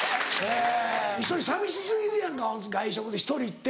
１人寂し過ぎるやんか外食で１人って。